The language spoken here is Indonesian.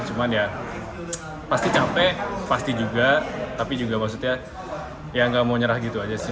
cuman ya pasti capek pasti juga tapi juga maksudnya ya nggak mau nyerah gitu aja sih